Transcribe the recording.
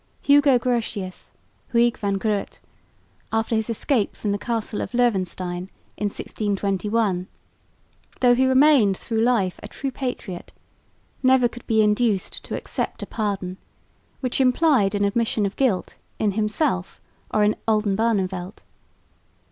Hugo Grotius (Huig van Groot), after his escape from the castle of Loevestein in 1621, though he remained through life a true patriot, never could be induced to accept a pardon, which implied an admission of guilt in himself or in Oldenbarneveldt.